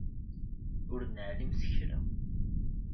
Ur neεlim s kra.